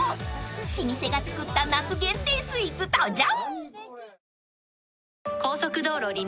［老舗が作った夏限定スイーツ登場］